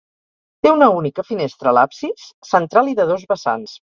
Té una única finestra a l'absis, central i de dos vessants.